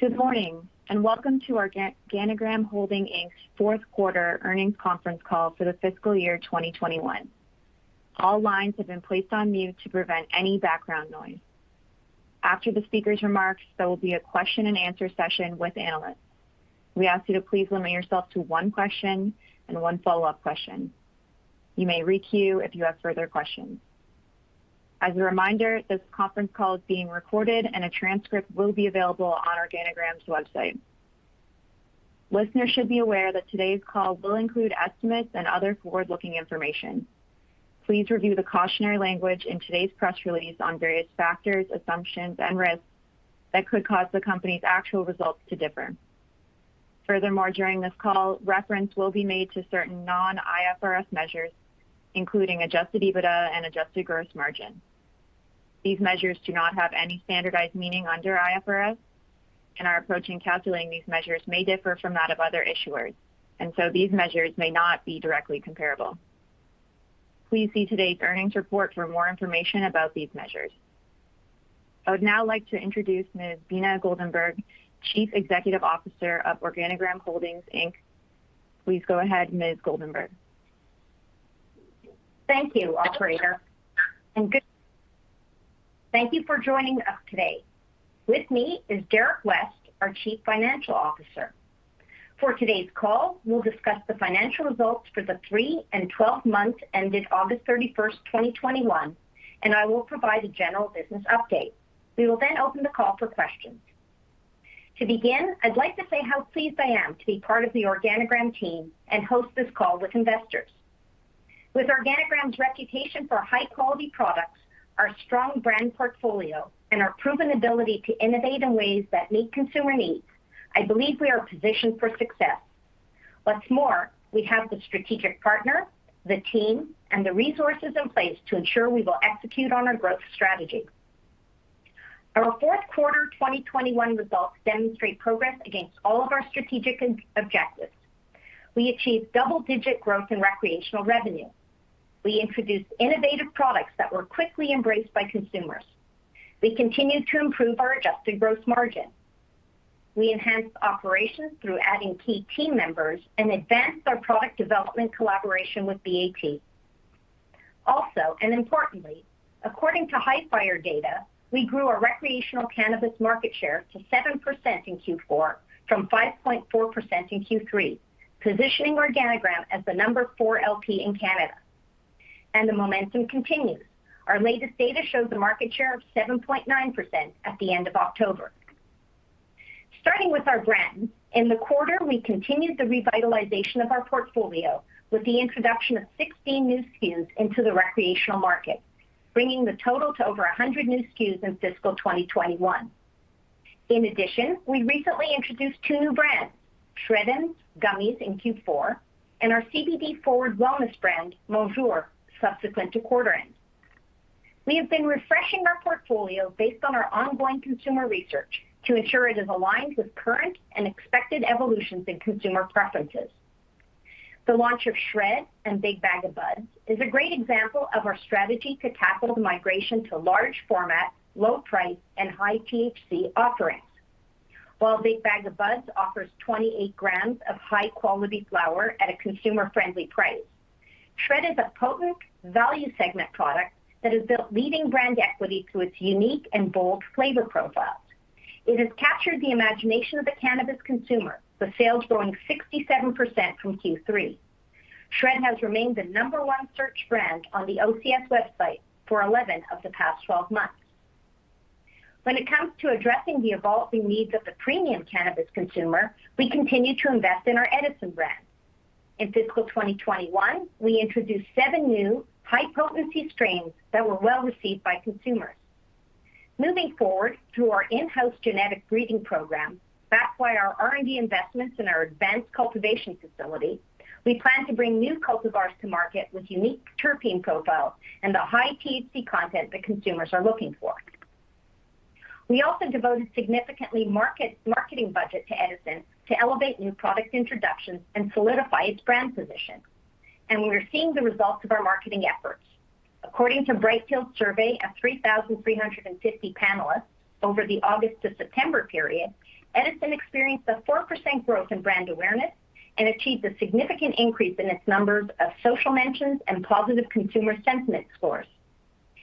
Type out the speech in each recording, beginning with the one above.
Good morning, and welcome to Organigram Holdings Inc.'s Q4 earnings conference call for the fiscal year 2021. All lines have been placed on mute to prevent any background noise. After the speaker's remarks, there will be a question-and-answer session with analysts. We ask you to please limit yourself to one question and one follow-up question. You may re-queue if you have further questions. As a reminder, this conference call is being recorded and a transcript will be available on Organigram's website. Listeners should be aware that today's call will include estimates and other forward-looking information. Please review the cautionary language in today's press release on various factors, assumptions, and risks that could cause the company's actual results to differ. Furthermore, during this call, reference will be made to certain non-IFRS measures, including adjusted EBITDA and adjusted gross margin. These measures do not have any standardized meaning under IFRS, and our approach in calculating these measures may differ from that of other issuers, and so these measures may not be directly comparable. Please see today's earnings report for more information about these measures. I would now like to introduce Ms. Beena Goldenberg, Chief Executive Officer of Organigram Holdings Inc. Please go ahead, Ms. Goldenberg. Thank you, operator. Thank you for joining us today. With me is Derrick West, our Chief Financial Officer. For today's call, we'll discuss the financial results for the three and twelve months ended August 31, 2021, and I will provide a general business update. We will then open the call for questions. To begin, I'd like to say how pleased I am to be part of the Organigram team and host this call with investors. With Organigram's reputation for high-quality products, our strong brand portfolio, and our proven ability to innovate in ways that meet consumer needs, I believe we are positioned for success. What's more, we have the strategic partner, the team, and the resources in place to ensure we will execute on our growth strategy. Our Q4 2021 results demonstrate progress against all of our strategic objectives. We achieved double-digit growth in recreational revenue. We introduced innovative products that were quickly embraced by consumers. We continued to improve our adjusted gross margin. We enhanced operations through adding key team members and advanced our product development collaboration with BAT. Also, and importantly, according to Hifyre data, we grew our recreational cannabis market share to 7% in Q4 from 5.4% in Q3, positioning Organigram as the number 4 LP in Canada. The momentum continues. Our latest data shows a market share of 7.9% at the end of October. Starting with our brand, in the quarter, we continued the revitalization of our portfolio with the introduction of 16 new SKUs into the recreational market, bringing the total to over 100 new SKUs in fiscal 2021. In addition, we recently introduced two new brands, SHRED'ems Gummies in Q4, and our CBD-forward wellness brand, Monjour, subsequent to quarter end. We have been refreshing our portfolio based on our ongoing consumer research to ensure it is aligned with current and expected evolutions in consumer preferences. The launch of SHRED and Big Bag o' Buds is a great example of our strategy to tackle the migration to large format, low price, and high THC offerings. While Big Bag o' Buds offers 28 grams of high-quality flower at a consumer-friendly price, SHRED is a potent value segment product that has built leading brand equity through its unique and bold flavor profiles. It has captured the imagination of the cannabis consumer, with sales growing 67% from Q3. SHRED has remained the number one search brand on the OCS website for 11 of the past 12 months. When it comes to addressing the evolving needs of the premium cannabis consumer, we continue to invest in our Edison brand. In fiscal 2021, we introduced seven new high-potency strains that were well-received by consumers. Moving forward through our in-house genetic breeding program, that's why our R&D investments in our advanced cultivation facility, we plan to bring new cultivars to market with unique terpene profiles and the high THC content that consumers are looking for. We also devoted significant marketing budget to Edison to elevate new product introductions and solidify its brand position. We are seeing the results of our marketing efforts. According to Brightfield's survey of 3,350 panelists over the August to September period, Edison experienced a 4% growth in brand awareness and achieved a significant increase in its numbers of social mentions and positive consumer sentiment scores.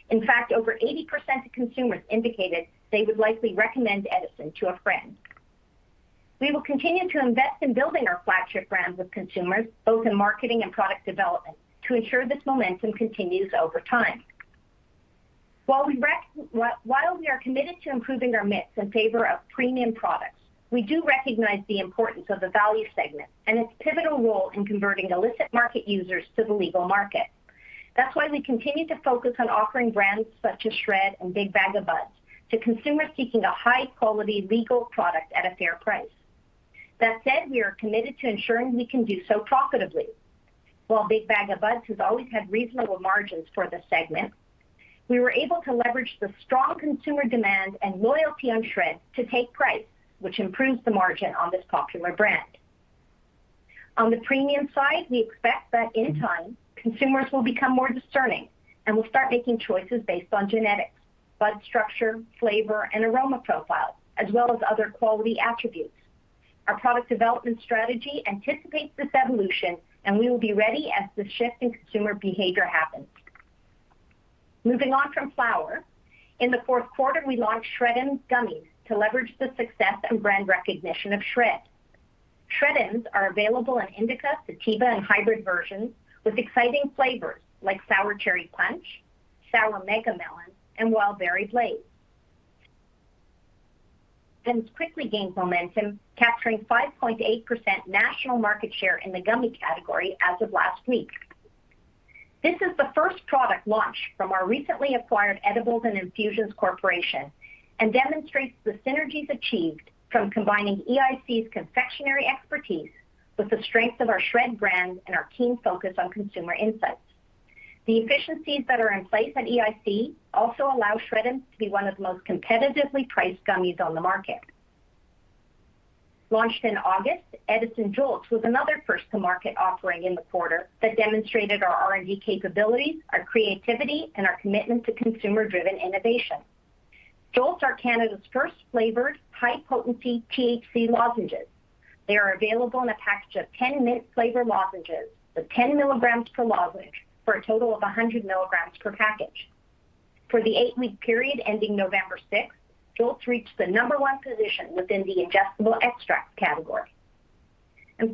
In fact, over 80% of consumers indicated they would likely recommend Edison to a friend. We will continue to invest in building our flagship brands with consumers, both in marketing and product development, to ensure this momentum continues over time. While we are committed to improving our mix in favor of premium products, we do recognize the importance of the value segment and its pivotal role in converting illicit market users to the legal market. That's why we continue to focus on offering brands such as SHRED and Big Bag o' Buds to consumers seeking a high-quality legal product at a fair price. That said, we are committed to ensuring we can do so profitably. While Big Bag o' Buds has always had reasonable margins for the segment, we were able to leverage the strong consumer demand and loyalty on SHRED to take price, which improves the margin on this popular brand. On the premium side, we expect that in time, consumers will become more discerning and will start making choices based on genetics, bud structure, flavor, and aroma profile, as well as other quality attributes. Our product development strategy anticipates this evolution, and we will be ready as the shift in consumer behavior happens. Moving on from flower. In the Q4, we launched SHRED'ems gummies to leverage the success and brand recognition of SHRED'ems. SHRED'ems are available in indica, sativa, and hybrid versions with exciting flavors like sour cherry punch, sour mega melon, and wild berry blaze. SHRED'ems quickly gained momentum, capturing 5.8% national market share in the gummy category as of last week. This is the first product launch from our recently acquired Edibles & Infusions Corporation, and demonstrates the synergies achieved from combining EIC's confectionary expertise with the strength of our SHRED'ems brand and our keen focus on consumer insights. The efficiencies that are in place at EIC also allow SHRED'ems to be one of the most competitively priced gummies on the market. Launched in August, Edison JOLTS was another first-to-market offering in the quarter that demonstrated our R&D capabilities, our creativity, and our commitment to consumer-driven innovation. JOLTS are Canada's first flavored high-potency THC lozenges. They are available in a package of 10 mint-flavored lozenges with 10 milligrams per lozenge for a total of 100 milligrams per package. For the 8-week period ending November 6, JOLTS reached the number one position within the ingestible extract category.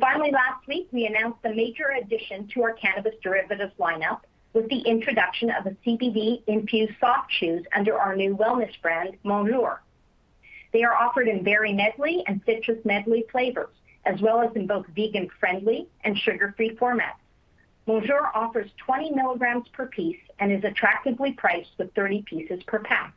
Finally, last week, we announced a major addition to our cannabis derivatives lineup with the introduction of a CBD-infused soft chews under our new wellness brand, Monjour. They are offered in berry medley and citrus medley flavors, as well as in both vegan-friendly and sugar-free formats. Monjour offers 20 milligrams per piece and is attractively priced with 30 pieces per pack.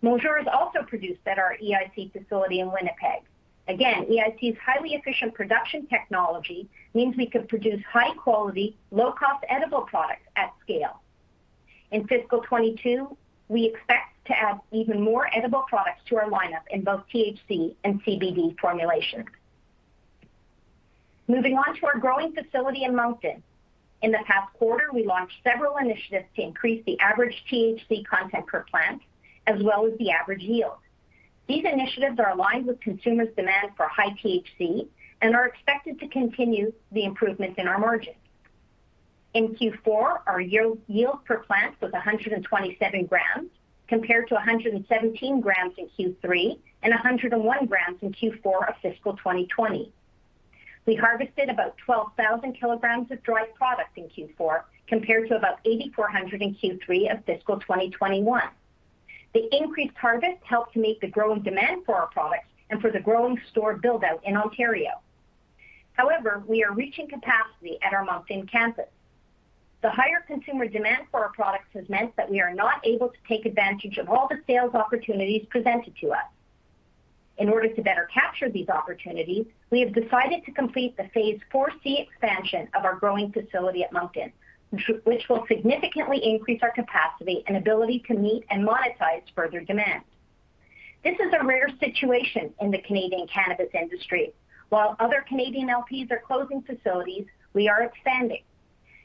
Monjour is also produced at our EIC facility in Winnipeg. Again, EIC's highly efficient production technology means we can produce high-quality, low-cost edible products at scale. In fiscal 2022, we expect to add even more edible products to our lineup in both THC and CBD formulations. Moving on to our growing facility in Moncton. In the past quarter, we launched several initiatives to increase the average THC content per plant as well as the average yield. These initiatives are aligned with consumers' demand for high THC and are expected to continue the improvements in our margins. In Q4, our yield per plant was 127 grams, compared to 117 grams in Q3 and 101 grams in Q4 of fiscal 2020. We harvested about 12,000 kilograms of dried product in Q4, compared to about 8,400 in Q3 of fiscal 2021. The increased harvest helped to meet the growing demand for our products and for the growing store build-out in Ontario. However, we are reaching capacity at our Moncton campus. The higher consumer demand for our products has meant that we are not able to take advantage of all the sales opportunities presented to us. In order to better capture these opportunities, we have decided to complete the Phase 4c expansion of our growing facility at Moncton, which will significantly increase our capacity and ability to meet and monetize further demand. This is a rare situation in the Canadian cannabis industry. While other Canadian LPs are closing facilities, we are expanding.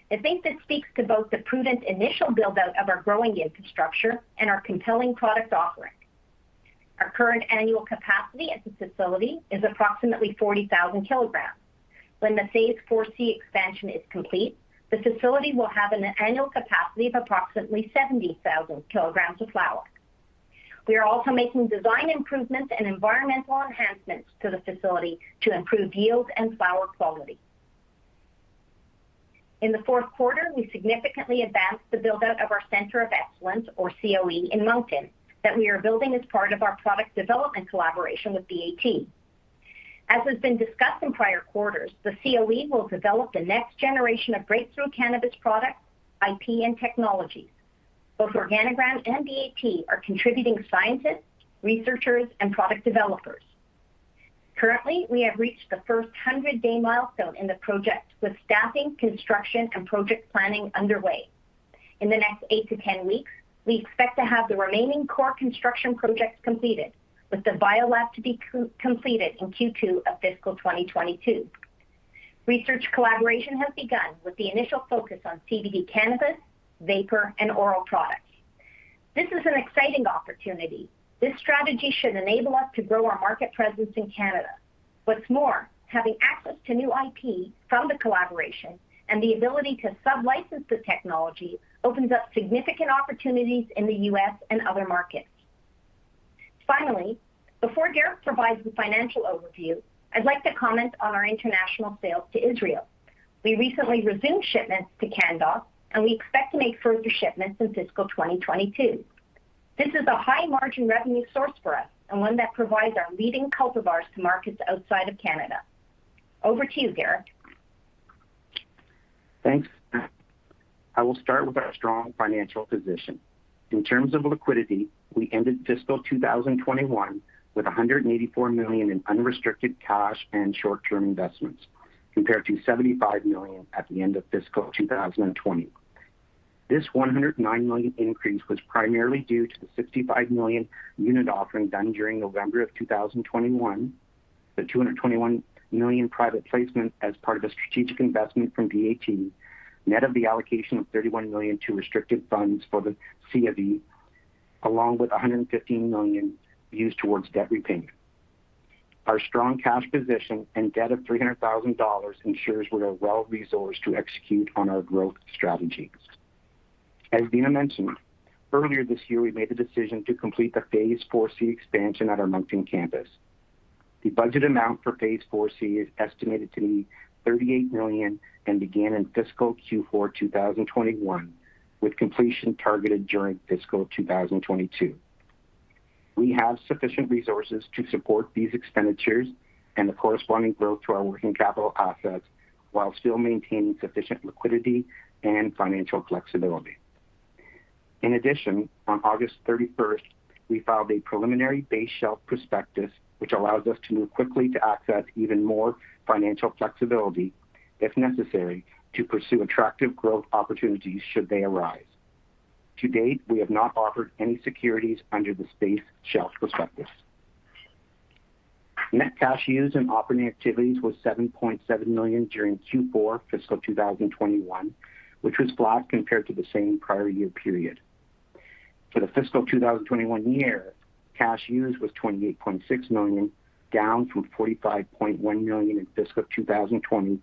I think this speaks to both the prudent initial build-out of our growing infrastructure and our compelling product offering. Our current annual capacity at the facility is approximately 40,000 kilograms. When the Phase 4c expansion is complete, the facility will have an annual capacity of approximately 70,000 kilograms of flower. We are also making design improvements and environmental enhancements to the facility to improve yield and flower quality. In the Q4, we significantly advanced the build-out of our Center of Excellence, or COE, in Moncton that we are building as part of our product development collaboration with BAT. As has been discussed in prior quarters, the COE will develop the next generation of breakthrough cannabis products, IP, and technologies. Both Organigram and BAT are contributing scientists, researchers, and product developers. Currently, we have reached the first 100-day milestone in the project with staffing, construction, and project planning underway. In the next 8 to 10 weeks, we expect to have the remaining core construction projects completed, with the bio lab to be completed in Q2 of fiscal 2022. Research collaboration has begun with the initial focus on CBD cannabis, vapor, and oral products. This is an exciting opportunity. This strategy should enable us to grow our market presence in Canada. What's more, having access to new IP from the collaboration and the ability to sublicense the technology opens up significant opportunities in the U.S. and other markets. Finally, before Derrick provides the financial overview, I'd like to comment on our international sales to Israel. We recently resumed shipments to Canndoc, and we expect to make further shipments in fiscal 2022. This is a high-margin revenue source for us and one that provides our leading cultivars to markets outside of Canada. Over to you, Derrick. Thanks. I will start with our strong financial position. In terms of liquidity, we ended fiscal 2021 with 184 million in unrestricted cash and short-term investments, compared to 75 million at the end of fiscal 2020. This 109 million increase was primarily due to the 65 million unit offering done during November 2021. The 221 million private placement as part of a strategic investment from BAT, net of the allocation of 31 million to restricted funds for the COE, along with 115 million used towards debt repayment. Our strong cash position and debt of 300,000 dollars ensures we are well-resourced to execute on our growth strategy. As Beena mentioned, earlier this year, we made the decision to complete the phase 4c expansion at our Moncton campus. The budget amount for Phase 4c is estimated to be 38 million and began in fiscal Q4 2021, with completion targeted during fiscal 2022. We have sufficient resources to support these expenditures and the corresponding growth to our working capital assets while still maintaining sufficient liquidity and financial flexibility. In addition, on August 31, we filed a preliminary base shelf prospectus, which allows us to move quickly to access even more financial flexibility if necessary, to pursue attractive growth opportunities should they arise. To date, we have not offered any securities under the base shelf prospectus. Net cash used in operating activities was 7.7 million during Q4 fiscal 2021, which was flat compared to the same prior year period. For the fiscal 2021 year, cash used was 28.6 million, down from 45.1 million in fiscal 2020,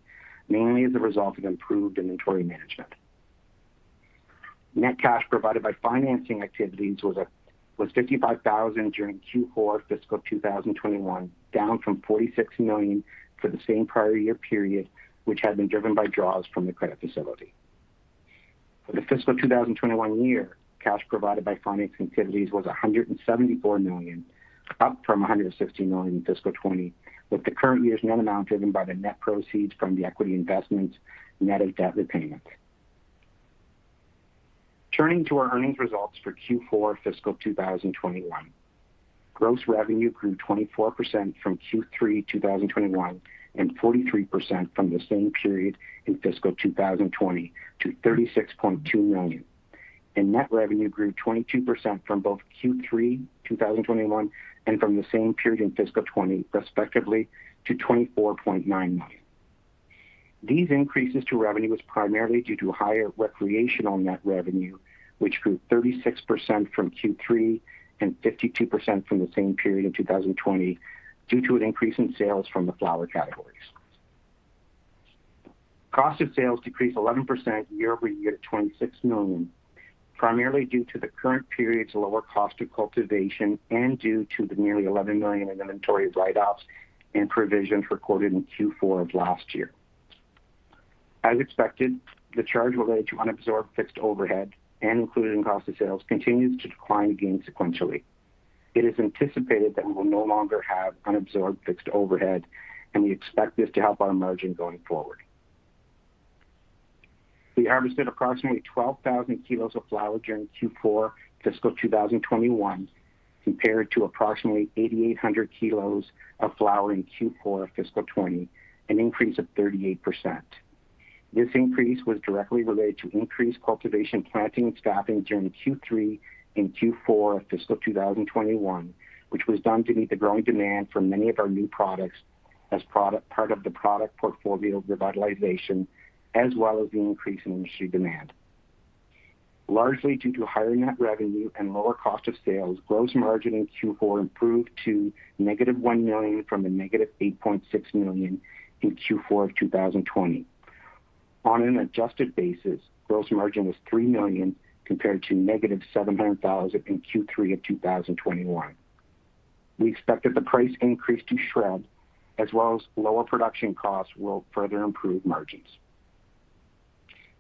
mainly as a result of improved inventory management. Net cash provided by financing activities was 55,000 during Q4 fiscal 2021, down from 46 million for the same prior year period, which had been driven by draws from the credit facility. For the fiscal 2021 year, cash provided by financing activities was 174 million, up from 116 million in fiscal 2020, with the current year's net amount driven by the net proceeds from the equity investment net of debt repayment. Turning to our earnings results for Q4 fiscal 2021. Gross revenue grew 24% from Q3 2021 and 43% from the same period in fiscal 2020 to 36.2 million. Net revenue grew 22% from both Q3 2021 and from the same period in fiscal 2020, respectively, to 24.9 million. These increases to revenue was primarily due to higher recreational net revenue, which grew 36% from Q3 and 52% from the same period in 2020 due to an increase in sales from the flower categories. Cost of sales decreased 11% year-over-year to 26 million, primarily due to the current period's lower cost of cultivation and due to the nearly 11 million in inventory write-offs and provisions recorded in Q4 of last year. As expected, the charge related to unabsorbed fixed overhead and included in cost of sales continues to decline again sequentially. It is anticipated that we will no longer have unabsorbed fixed overhead, and we expect this to help our margin going forward. We harvested approximately 12,000 kilos of flower during Q4 fiscal 2021, compared to approximately 8,800 kilos of flower in Q4 fiscal 2020, an increase of 38%. This increase was directly related to increased cultivation, planting, and staffing during Q3 and Q4 of fiscal 2021, which was done to meet the growing demand for many of our new products as part of the product portfolio revitalization, as well as the increase in industry demand. Largely due to higher net revenue and lower cost of sales, gross margin in Q4 improved to -1 million from -8.6 million in Q4 of 2020. On an adjusted basis, gross margin was 3 million compared to -700,000 in Q3 of 2021. We expect that the price increase to SHRED as well as lower production costs will further improve margins.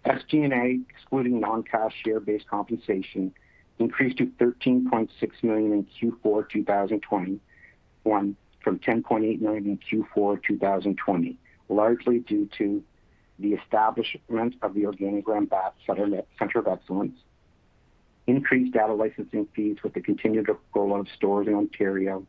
SG&A, excluding non-cash share-based compensation, increased to 13.6 million in Q4 2021 from 10.8 million in Q4 2020, largely due to the establishment of the Organigram BAT Centre of Excellence, increased data licensing fees with the continued rollout of stores in Ontario,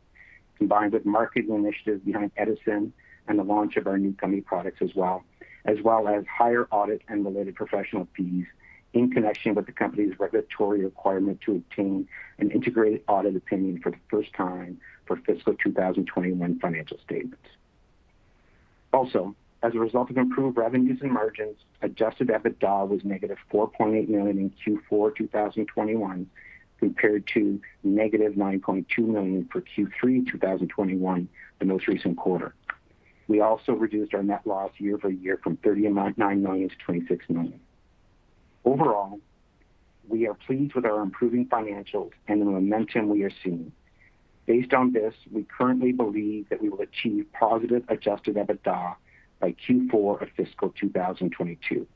combined with marketing initiatives behind Edison and the launch of our new gummy products as well, as well as higher audit and related professional fees in connection with the company's regulatory requirement to obtain an integrated audit opinion for the first time for fiscal 2021 financial statements. Also, as a result of improved revenues and margins, adjusted EBITDA was negative 4.8 million in Q4 2021, compared to negative 9.2 million for Q3 2021, the most recent quarter. We also reduced our net loss year-over-year from 39 million to 26 million. Overall, we are pleased with our improving financials and the momentum we are seeing. Based on this, we currently believe that we will achieve positive adjusted EBITDA by Q4 of fiscal 2022.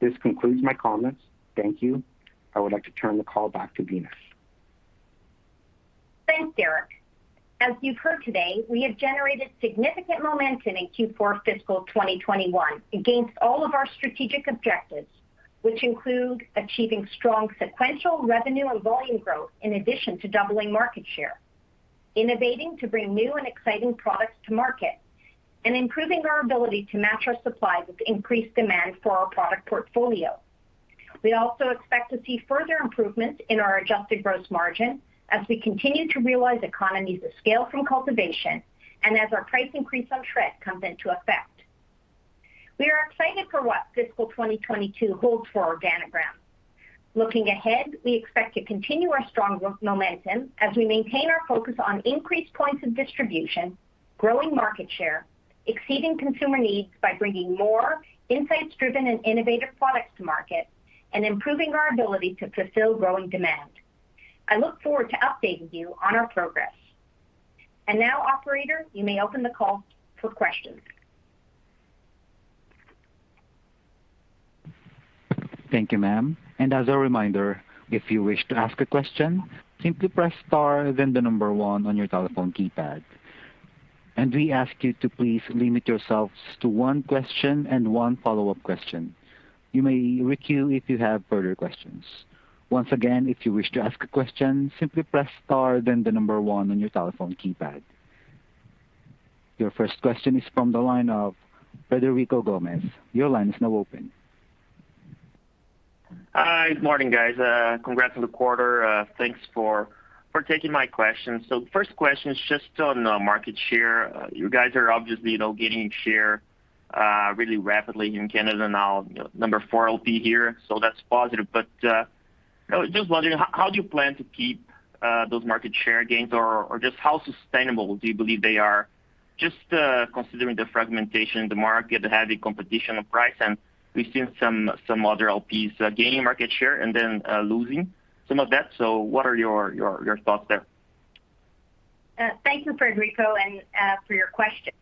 This concludes my comments. Thank you. I would like to turn the call back to Beena. Thanks, Derrick. As you've heard today, we have generated significant momentum in Q4 fiscal 2021 against all of our strategic objectives, which include achieving strong sequential revenue and volume growth in addition to doubling market share. Innovating to bring new and exciting products to market, and improving our ability to match our supplies with increased demand for our product portfolio. We also expect to see further improvements in our adjusted gross margin as we continue to realize economies of scale from cultivation and as our price increase on SHRED comes into effect. We are excited for what fiscal 2022 holds for Organigram. Looking ahead, we expect to continue our strong growth momentum as we maintain our focus on increased points of distribution, growing market share, exceeding consumer needs by bringing more insights-driven and innovative products to market, and improving our ability to fulfill growing demand. I look forward to updating you on our progress. Now, operator, you may open the call for questions. Thank you, ma'am. As a reminder, if you wish to ask a question, simply press star then one on your telephone keypad. We ask you to please limit yourselves to one question and one follow-up question. You may requeue if you have further questions. Once again, if you wish to ask a question, simply press star then one on your telephone keypad. Your first question is from the line of Federico Gomez. Your line is now open. Hi. Good morning, guys. Congrats on the quarter. Thanks for taking my question. First question is just on market share. You guys are obviously, you know, gaining share really rapidly in Canada now. Number four LP here, so that's positive. I was just wondering how do you plan to keep those market share gains or just how sustainable do you believe they are? Just considering the fragmentation in the market, the heavy competition on price, and we've seen some other LPs gaining market share and then losing some of that. What are your thoughts there? Thank you, Federico, for your question.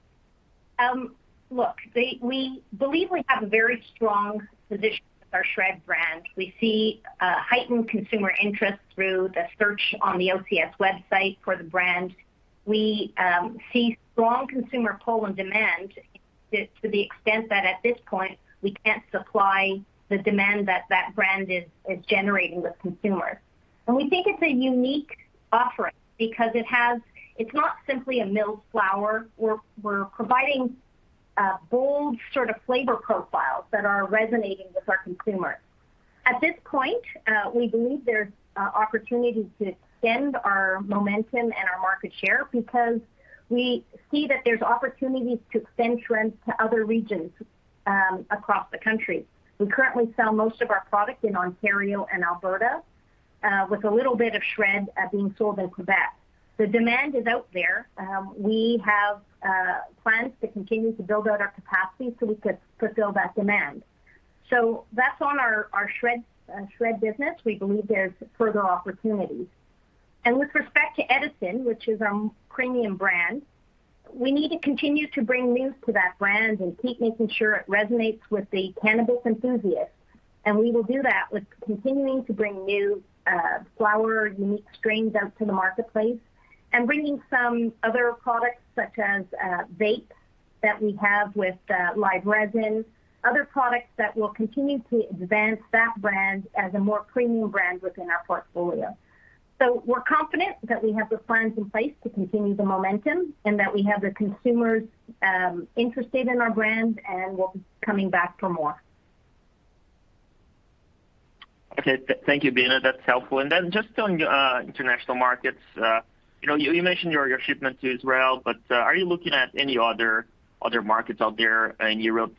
Look, we believe we have a very strong position with our SHRED brand. We see heightened consumer interest through the search on the OCS website for the brand. We see strong consumer pull and demand to the extent that at this point we can't supply the demand that that brand is generating with consumers. We think it's a unique offering because it's not simply a milled flower. We're providing bold flavor profiles that are resonating with our consumers. At this point, we believe there's opportunity to extend our momentum and our market share because we see that there's opportunities to extend trends to other regions across the country. We currently sell most of our product in Ontario and Alberta, with a little bit of SHRED being sold in Quebec. The demand is out there. We have plans to continue to build out our capacity so we could fulfill that demand. That's on our SHRED business. We believe there's further opportunities. With respect to Edison, which is our premium brand, we need to continue to bring new to that brand and keep making sure it resonates with the cannabis enthusiasts. We will do that with continuing to bring new flower unique strains out to the marketplace and bringing some other products such as vape that we have with live resin, other products that will continue to advance that brand as a more premium brand within our portfolio. We're confident that we have the plans in place to continue the momentum and that we have the consumers interested in our brand and will be coming back for more. Okay. Thank you, Beena. That's helpful. Just on international markets, you know, you mentioned your shipment to Israel, but are you looking at any other markets out there in Europe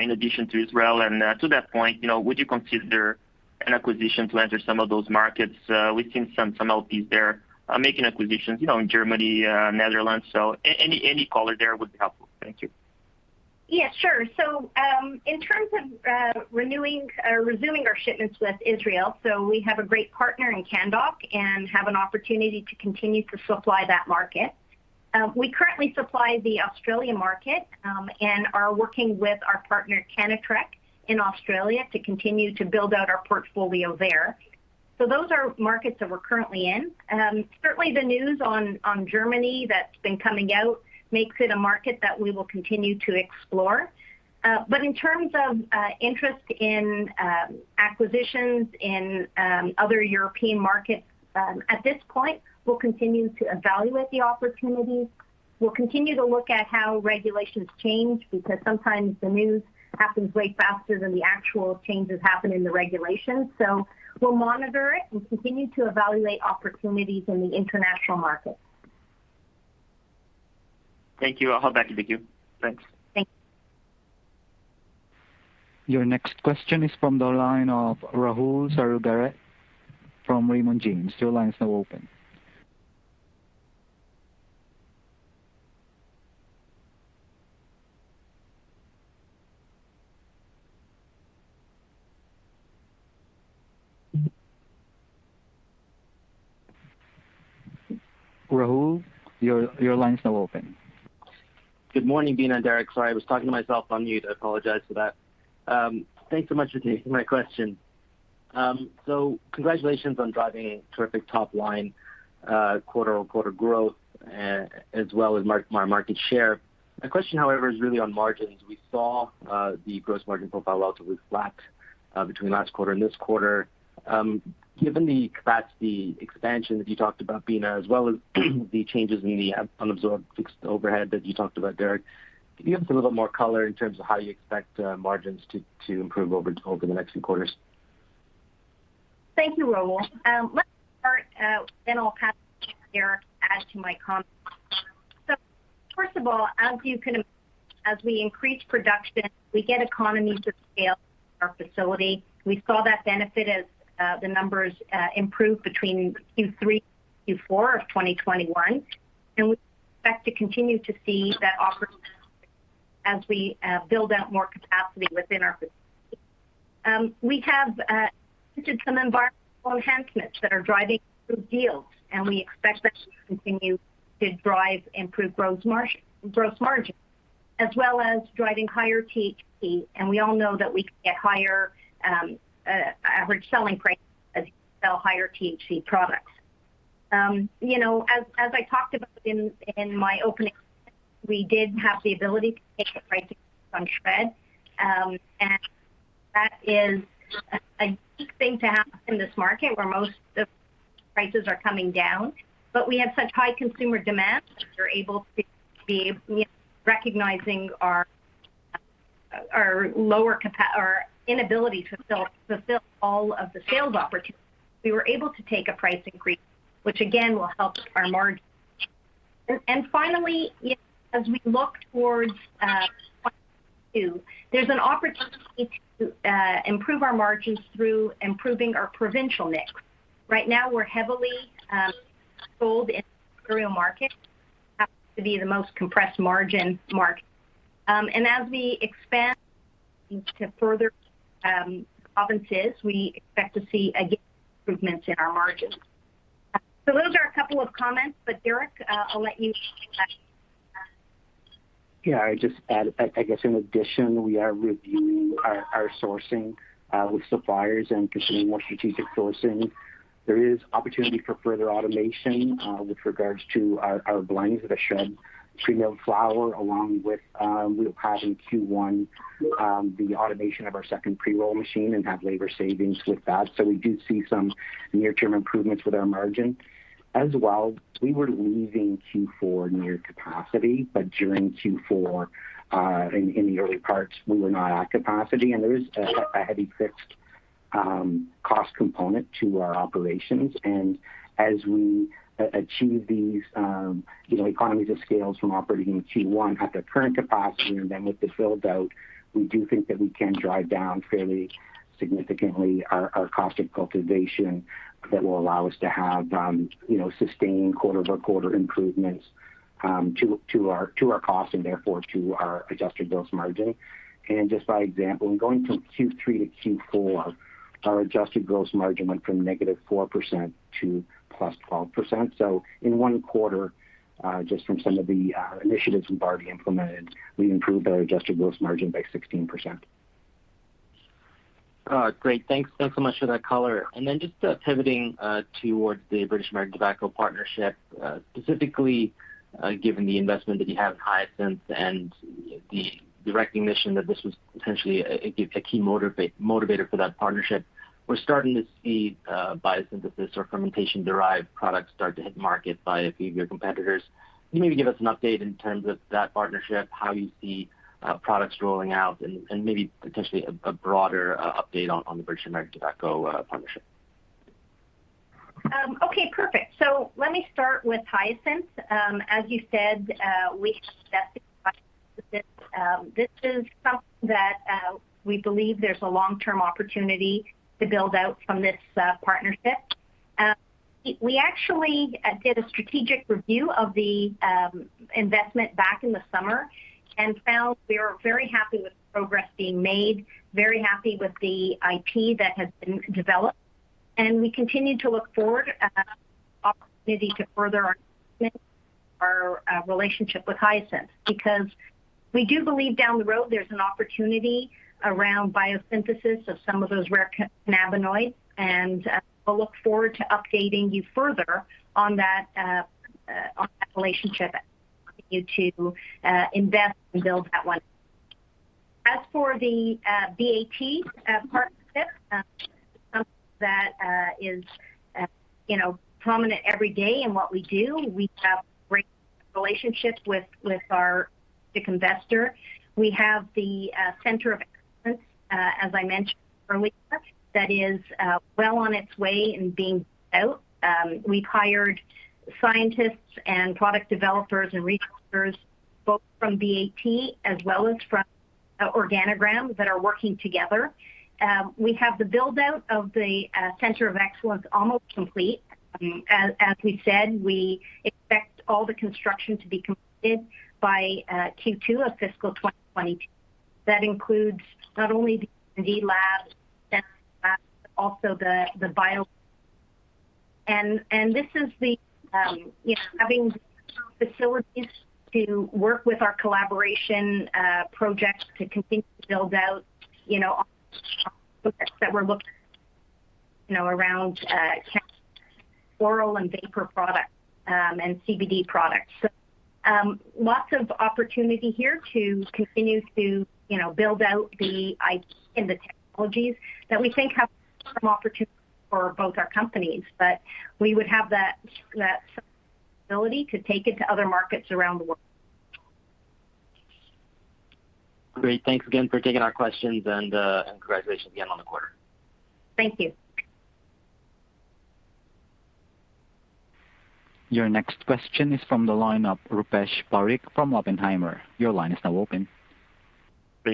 in addition to Israel? To that point, you know, would you consider an acquisition to enter some of those markets? We've seen some LPs there making acquisitions, you know, in Germany, Netherlands. Any color there would be helpful. Thank you. Yeah, sure. In terms of renewing or resuming our shipments with Israel, we have a great partner in Canndoc and have an opportunity to continue to supply that market. We currently supply the Australian market and are working with our partner, Cannatrek, in Australia to continue to build out our portfolio there. Those are markets that we're currently in. Certainly the news on Germany that's been coming out makes it a market that we will continue to explore. In terms of interest in acquisitions in other European markets, at this point, we'll continue to evaluate the opportunities. We'll continue to look at how regulations change because sometimes the news happens way faster than the actual changes happen in the regulations. We'll monitor it and continue to evaluate opportunities in the international markets. Thank you. I'll hop back in the queue. Thanks. Thank you. Your next question is from the line of Rahul Sarugaser from Raymond James. Your line is now open. Rahul, your line is now open. Good morning, Beena and Derrick. Sorry, I was talking to myself on mute. I apologize for that. Thanks so much for taking my question. So congratulations on driving a terrific top line, quarter-on-quarter growth, as well as market share. My question, however, is really on margins. We saw the gross margin profile relatively flat between last quarter and this quarter. Given the capacity expansion that you talked about, Beena, as well as the changes in the unabsorbed fixed overhead that you talked about, Derrick, can you give us a little bit more color in terms of how you expect margins to improve over the next few quarters? Thank you, Rahul. Let's start, then I'll have Derrick add to my comments. First of all, as we increase production, we get economies of scale in our facility. We saw that benefit as the numbers improve between Q3 to Q4 of 2021, and we expect to continue to see that opportunity as we build out more capacity within our facility. We have some environmental enhancements that are driving good yields, and we expect that to continue to drive improved gross margin, as well as driving higher THC. We all know that we can get higher average selling price as you sell higher THC products. You know, as I talked about in my opening, we did have the ability to take a price on SHRED. That is a unique thing to happen in this market where most of prices are coming down. We have such high consumer demand. We're able to recognize our inability to fulfill all of the sales opportunities. We were able to take a price increase, which again will help our margin. Finally, as we look towards 2022, there's an opportunity to improve our margins through improving our provincial mix. Right now we're heavily sold in the market that happens to be the most compressed margin market. As we expand to further provinces, we expect to see, again, improvements in our margins. Those are a couple of comments, but Derrick, I'll let you add. I guess in addition, we are reviewing our sourcing with suppliers and pursuing more strategic sourcing. There is opportunity for further automation with regards to our SHRED pre-milled flower along with we'll have in Q1 the automation of our second pre-roll machine and have labor savings with that. So we do see some near-term improvements with our margin. As well, we ended Q4 near capacity, but during Q4 in the early parts we were not at capacity and there is a heavy fixed cost component to our operations. As we achieve these, you know, economies of scale from operating in Q1 at the current capacity, and then with the build-out, we do think that we can drive down fairly significantly our cost of cultivation that will allow us to have, you know, sustained quarter-over-quarter improvements to our cost and therefore to our adjusted gross margin. Just by example, in going from Q3 to Q4, our adjusted gross margin went from negative 4% to plus 12%. In one quarter, just from some of the initiatives we've already implemented, we improved our adjusted gross margin by 16%. Great. Thanks. Thanks so much for that color. Just pivoting towards the British American Tobacco partnership, specifically, given the investment that you have in Hyasynth and the recognition that this was potentially a key motivator for that partnership, we're starting to see biosynthesis or fermentation-derived products start to hit market by a few of your competitors. Can you maybe give us an update in terms of that partnership, how you see products rolling out and maybe potentially a broader update on the British American Tobacco partnership. Okay, perfect. Let me start with Hyasynth. As you said, this is something that we believe there's a long-term opportunity to build out from this partnership. We actually did a strategic review of the investment back in the summer and found we are very happy with the progress being made, very happy with the IP that has been developed. We continue to look forward at opportunity to further our relationship with Hyasynth because we do believe down the road there's an opportunity around biosynthesis of some of those rare cannabinoids. We'll look forward to updating you further on that, on that relationship to invest and build that one. As for the BAT partnership, that is, you know, prominent every day in what we do. We have great relationships with our investor. We have the Center of Excellence as I mentioned earlier that is well on its way in being built. We've hired scientists and product developers and researchers both from BAT as well as from Organigram that are working together. We have the build-out of the Center of Excellence almost complete. As we said, we expect all the construction to be completed by Q2 of fiscal 2020. That includes not only the lab, also the bio. This is having facilities to work with our collaboration projects to continue to build out you know that we're looking you know around oral and vapor products and CBD products. Lots of opportunity here to continue to, you know, build out the IP and the technologies that we think have some opportunity for both our companies. We would have that ability to take it to other markets around the world. Great. Thanks again for taking our questions and congratulations again on the quarter. Thank you. Your next question is from the line of Rupesh Parikh from Oppenheimer. Your line is now open.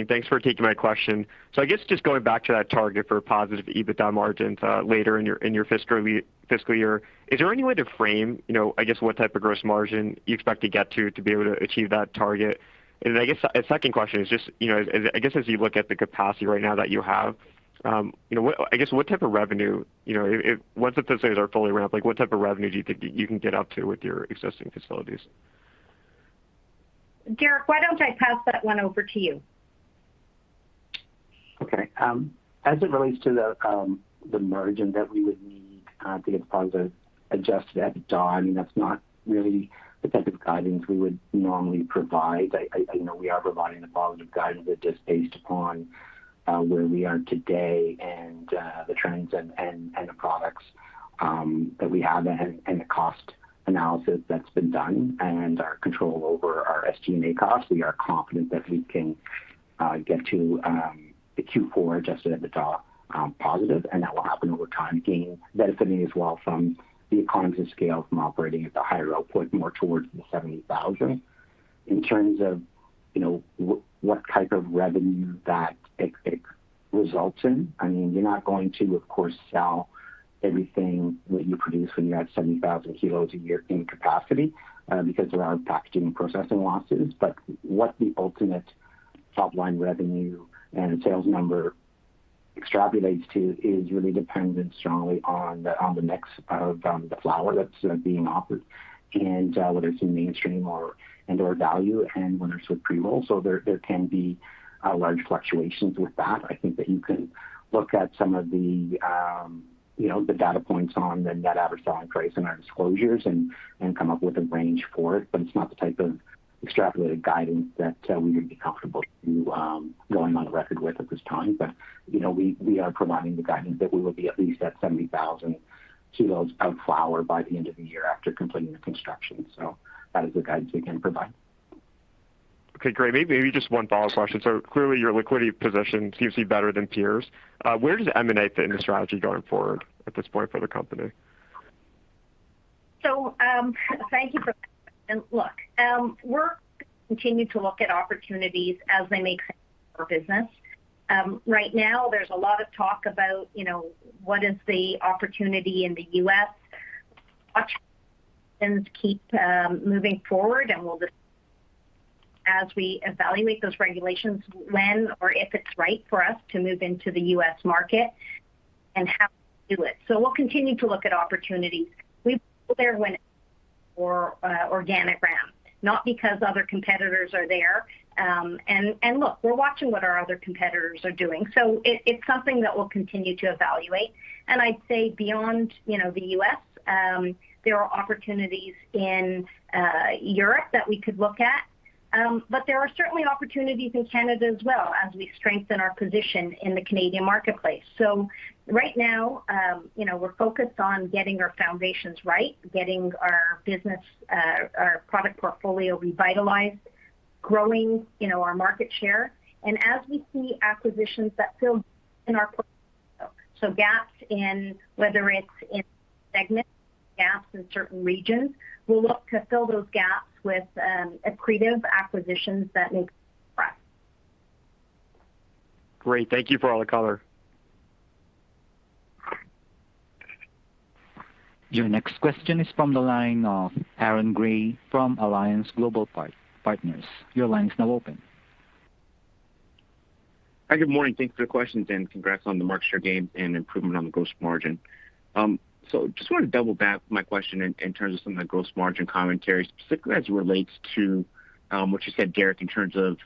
Thanks for taking my question. I guess just going back to that target for positive EBITDA margins later in your fiscal year, is there any way to frame, you know, I guess, what type of gross margin you expect to get to be able to achieve that target? I guess a second question is just, you know, I guess, as you look at the capacity right now that you have, you know, what type of revenue, you know, if once the facilities are fully ramped, like, what type of revenue do you think you can get up to with your existing facilities? Derrick, why don't I pass that one over to you? Okay. As it relates to the margin that we would need to get positive adjusted EBITDA, I mean, that's not really the type of guidance we would normally provide. You know, we are providing the positive guidance just based upon where we are today and the trends and the products that we have and the cost analysis that's been done and our control over our SG&A costs. We are confident that we can get to the Q4 adjusted EBITDA positive, and that will happen over time, again, benefiting as well from the economies of scale from operating at the higher output, more towards the 70,000. In terms of, you know, what type of revenue that it results in, I mean, you're not going to, of course, sell everything that you produce when you're at 70,000 kilos a year in capacity, because there are packaging and processing losses. What the ultimate top-line revenue and sales number extrapolates to is really dependent strongly on the mix of the flower that's being offered and whether it's in mainstream and/or value and whether it's with pre-roll. There can be large fluctuations with that. I think that you can look at some of the, you know, the data points on the net average selling price in our disclosures and come up with a range for it. It's not the type of extrapolated guidance that we would be comfortable going on the record with at this time. You know, we are providing the guidance that we will be at least at 70,000 kilos of flower by the end of the year after completing the construction. That is the guidance we can provide. Okay, great. Maybe just one follow-up question. Clearly, your liquidity position seems to be better than peers. Where does M&A fit in the strategy going forward at this point for the company? Look, we're continuing to look at opportunities as they make for business. Right now there's a lot of talk about, you know, what is the opportunity in the U.S. Keep moving forward, and we'll just as we evaluate those regulations, when or if it's right for us to move into the U.S. market and how to do it. We'll continue to look at opportunities. We go there when or organic ramp, not because other competitors are there. Look, we're watching what our other competitors are doing. It's something that we'll continue to evaluate. I'd say beyond, you know, the U.S., there are opportunities in Europe that we could look at. There are certainly opportunities in Canada as well as we strengthen our position in the Canadian marketplace. Right now, you know, we're focused on getting our foundations right, getting our business, our product portfolio revitalized, growing, you know, our market share. As we see acquisitions that fill in our portfolio, such gaps in whether it's in segment, gaps in certain regions, we'll look to fill those gaps with, accretive acquisitions that make sense for us. Great. Thank you for all the color. Your next question is from the line of Aaron Grey from Alliance Global Partners. Your line is now open. Hi, good morning. Thanks for the questions, and congrats on the market share gain and improvement on the gross margin. Just wanted to double back my question in terms of some of the gross margin commentary, specifically as it relates to what you said, Derrick, in terms of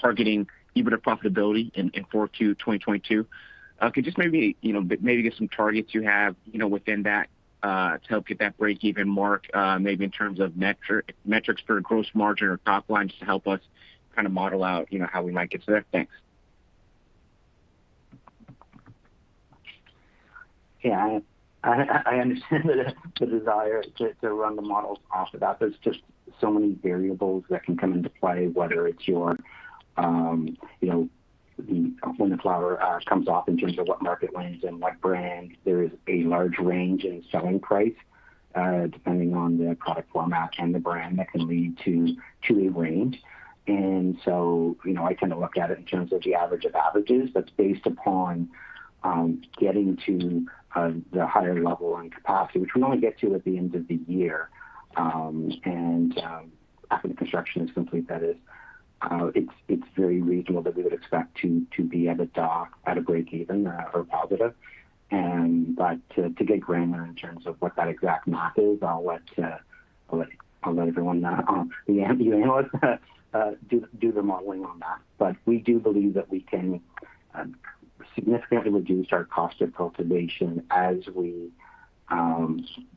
targeting EBITDA profitability in Q4 2022. Could you just maybe give some targets you have within that to help get that breakeven mark, maybe in terms of metrics for gross margin or top line, just to help us model out how we might get to that? Thanks. I understand the desire to run the models off of that. There's just so many variables that can come into play, whether it's your, you know, when the flower comes off in terms of what market lanes and what brand. There is a large range in selling price, depending on the product format and the brand that can lead to a range. You know, I tend to look at it in terms of the average of averages, but it's based upon getting to the higher level on capacity, which we only get to at the end of the year. After the construction is complete, that is, it's very reasonable that we would expect to be at EBITDA, at breakeven or positive. To get granular in terms of what that exact math is, I'll let everyone, the analysts do the modeling on that. We do believe that we can significantly reduced our cost of cultivation as we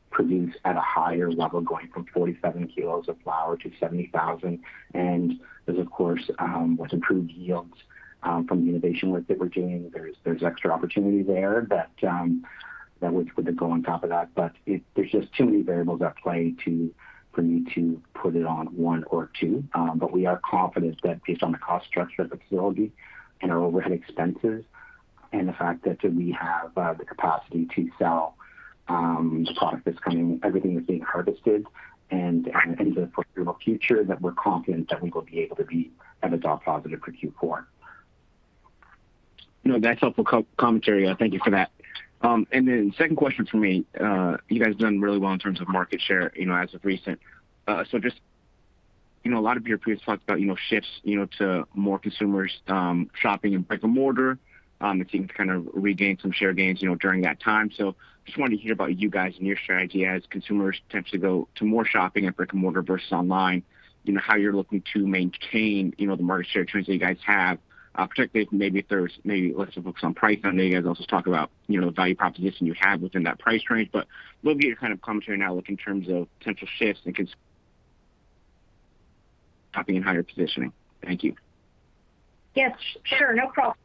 produce at a higher level, going from 47 kilos of flower to 70,000. There's, of course, with improved yields from the innovation work that we're doing, there's extra opportunity there that which would go on top of that. There's just too many variables at play for me to put it on one or two. We are confident that based on the cost structure of the facility and our overhead expenses and the fact that we have the capacity to sell the product that's coming, everything that's being harvested and into the foreseeable future, that we're confident that we will be able to be EBITDA positive for Q4. No, that's helpful co-commentary. Thank you for that. Then second question for me, you guys have done really well in terms of market share, you know, as of recent. Just, you know, a lot of your peers talked about, you know, shifts, you know, to more consumers shopping in brick-and-mortar and seem to regain some share gains, you know, during that time. Just wanted to hear about you guys and your strategy as consumers tend to go to more shopping at brick-and-mortar versus online, you know, how you're looking to maintain, you know, the market share trends that you guys have. Particularly, maybe if there's less of a focus on price, I know you guys also talk about, you know, the value proposition you have within that price range. I'd love to get your commentary now looking in terms of potential shifts and concerns happening in higher positioning. Thank you. Yes. Sure. No problem.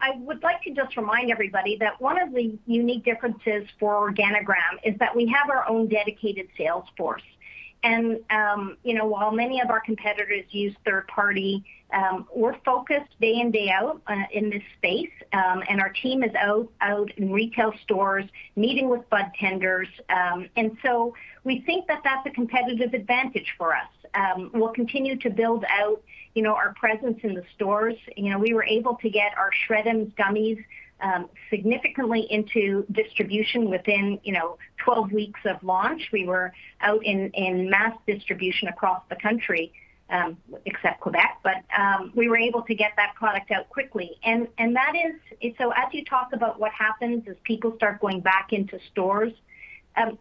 I would like to just remind everybody that one of the unique differences for Organigram is that we have our own dedicated sales force. You know, while many of our competitors use third party, we're focused day in, day out, in this space, and our team is out in retail stores meeting with budtenders. We think that that's a competitive advantage for us. We'll continue to build out, you know, our presence in the stores. You know, we were able to get our SHRED'ems Gummies significantly into distribution within, you know, 12 weeks of launch. We were out in mass distribution across the country, except Quebec, but we were able to get that product out quickly. As you talk about what happens as people start going back into stores,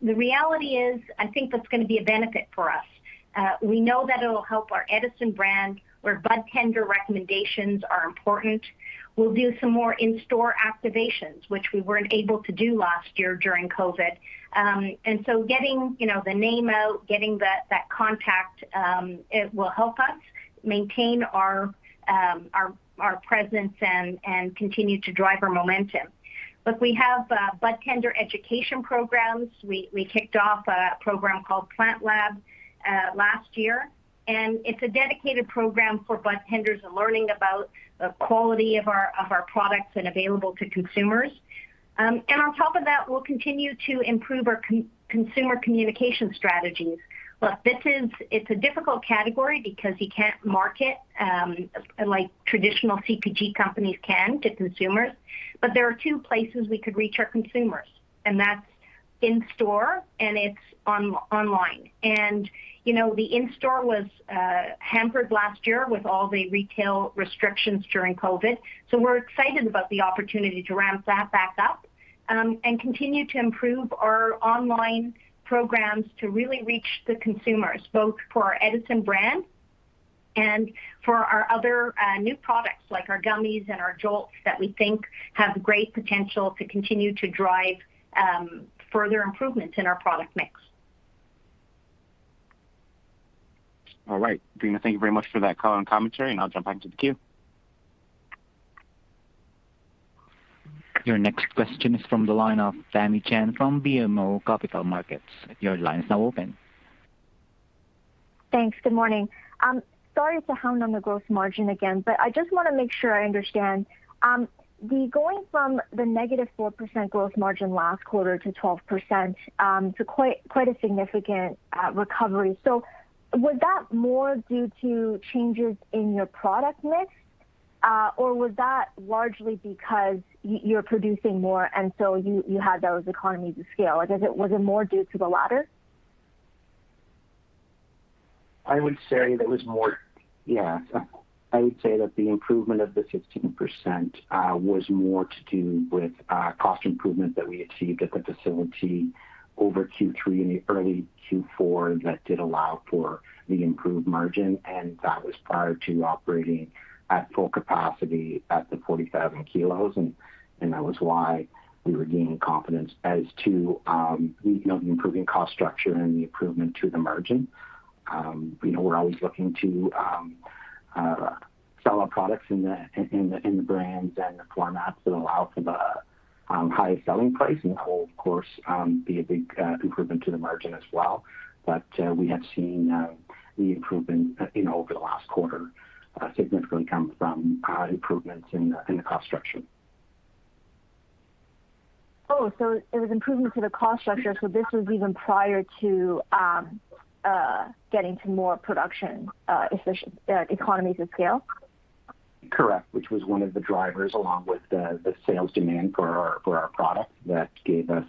the reality is, I think that's gonna be a benefit for us. We know that it'll help our Edison brand, where budtender recommendations are important. We'll do some more in-store activations, which we weren't able to do last year during COVID. Getting, you know, the name out, getting that contact, it will help us maintain our presence and continue to drive our momentum. Look, we have budtender education programs. We kicked off a program called Plant Lab last year, and it's a dedicated program for budtenders learning about the quality of our products and available to consumers. On top of that, we'll continue to improve our consumer communication strategies. Look, it's a difficult category because you can't market like traditional CPG companies can to consumers. There are two places we could reach our consumers, and that's in-store and online. You know, the in-store was hampered last year with all the retail restrictions during COVID. We're excited about the opportunity to ramp that back up and continue to improve our online programs to really reach the consumers, both for our Edison brand and for our other new products like our gummies and our jolts that we think have great potential to continue to drive further improvements in our product mix. All right. Beena, thank you very much for that color and commentary, and I'll jump back to the queue. Your next question is from the line of Tamy Chen from BMO Capital Markets. Your line is now open. Thanks. Good morning. Sorry to hound on the growth margin again, but I just wanna make sure I understand. The going from the - 4% growth margin last quarter to 12% is quite a significant recovery. Was that more due to changes in your product mix, or was that largely because you're producing more and so you had those economies of scale? I guess, was it more due to the latter? I would say that the improvement of the 16% was more to do with cost improvement that we achieved at the facility over Q3 and the early Q4 that did allow for the improved margin, and that was prior to operating at full capacity at the 47 kilos, and that was why we were gaining confidence as to, you know, the improving cost structure and the improvement to the margin. You know, we're always looking to sell our products in the brands and the formats that allow for the highest selling price, and that will of course be a big improvement to the margin as well. We have seen the improvement, you know, over the last quarter, significantly come from improvements in the cost structure. Oh, it was improvement to the cost structure, so this was even prior to getting to more production, economies of scale? Correct. Which was one of the drivers along with the sales demand for our product that gave us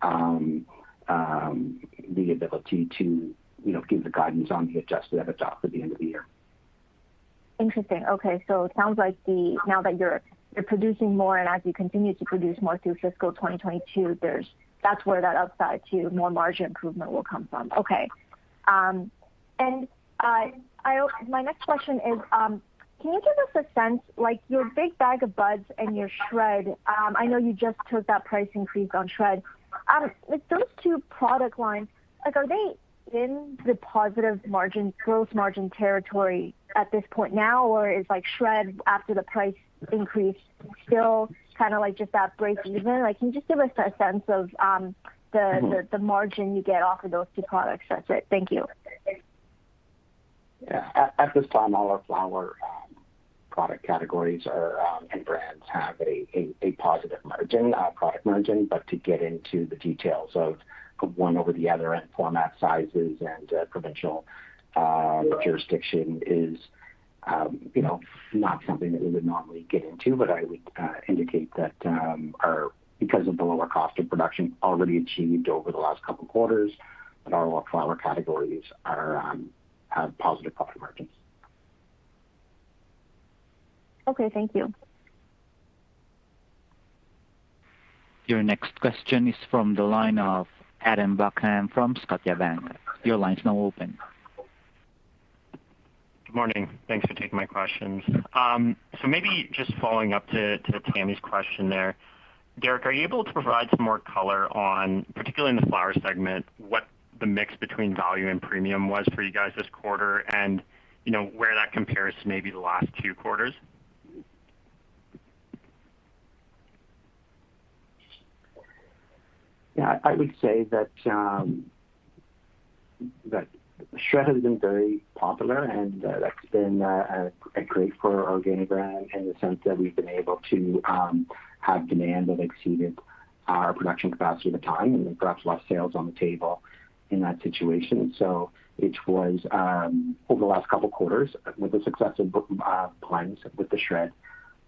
the ability to, you know, give the guidance on the adjusted EBITDA for the end of the year. Interesting. Okay. Now that you're producing more and as you continue to produce more through fiscal 2022, that's where that upside to more margin improvement will come from. Okay. My next question is, can you give us a sense, like your Big Bag o' Buds and your SHRED, I know you just took that price increase on SHRED. With those two product lines, like are they in the positive margin, gross margin territory at this point now, or is like SHRED after the price increase still like just at breakeven? Like, can you just give us a sense of the margin you get off of those two products? That's it. Thank you. Yeah. At this time, all our flower product categories and brands have a positive product margin. To get into the details of one over the other and format sizes and provincial jurisdiction is, you know, not something that we would normally get into. I would indicate that because of the lower cost of production already achieved over the last couple of quarters, that all of our flower categories have positive profit margins. Okay, thank you. Your next question is from the line of Adam Buckham from Scotiabank. Your line's now open. Good morning. Thanks for taking my questions. Maybe just following up to Tamy's question there. Derrick, are you able to provide some more color on, particularly in the flower segment, what the mix between value and premium was for you guys this quarter, and, you know, where that compares to maybe the last two quarters? Yeah, I would say that SHRED has been very popular, and that's been a great for our Organigram in the sense that we've been able to have demand that exceeded our production capacity at the time and perhaps left sales on the table in that situation. Which was over the last couple of quarters with the success of blends with the SHRED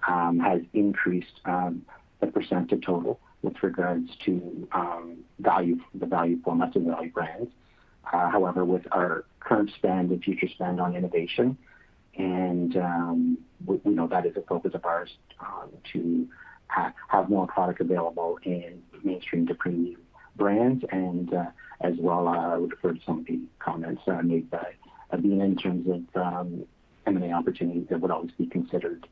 has increased the percent of total with regards to value, the value formats and value brands. However, with our current spend and future spend on innovation and we know that is a focus of ours to have more product available in mainstream to premium brands. As well, I would refer to some of the comments made by Beena in terms of M&A opportunities that would always be considered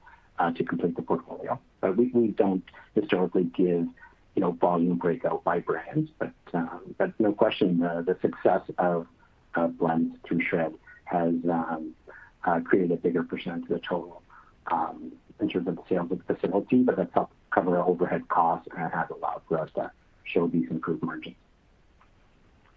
to complete the portfolio. We don't historically give, you know, volume breakout by brands. No question the success of blends through SHRED has created a bigger percent of the total in terms of the sales of the facility, but that's helped cover the overhead costs and has allowed for us to show these improved margins.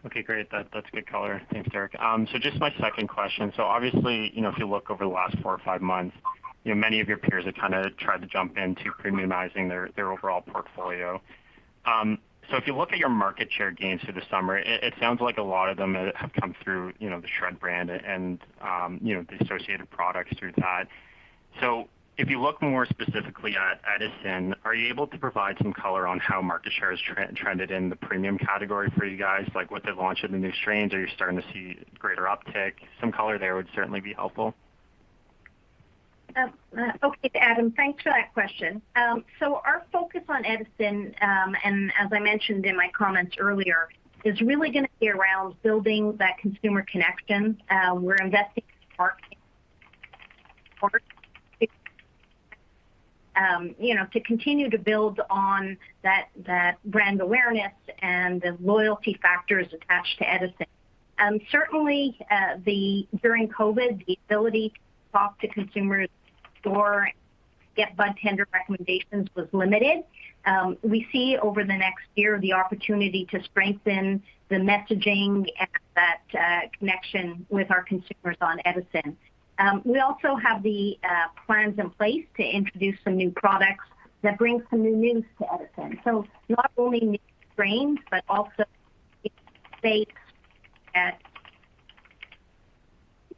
Okay, great. That's a good color. Thanks, Derrick. Just my second question. Obviously, you know, if you look over the last four or five months, you know, many of your peers have tried to jump into premiumizing their overall portfolio. If you look at your market share gains for the summer, it sounds like a lot of them have come through, you know, the SHRED brand and, you know, the associated products through that. If you look more specifically at Edison, are you able to provide some color on how market share has trended in the premium category for you guys? Like, with the launch of the new strains, are you starting to see greater uptick? Some color there would certainly be helpful. Okay, Adam, thanks for that question. Our focus on Edison, and as I mentioned in my comments earlier, is really gonna be around building that consumer connection. We're investing, you know, to continue to build on that brand awareness and the loyalty factors attached to Edison. Certainly, during COVID, the ability to talk to consumers or get budtender recommendations was limited. We see over the next year the opportunity to strengthen the messaging and that connection with our consumers on Edison. We also have the plans in place to introduce some new products that bring some newness to Edison. Not only new strains, but also